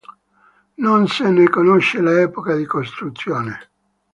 Non se ne conosce l'epoca di costruzione.